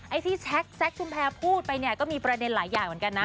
ไอ้ที่แซคชุมแพรพูดไปเนี่ยก็มีประเด็นหลายอย่างเหมือนกันนะ